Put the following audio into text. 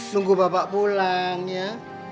tunggu bapak pulang ya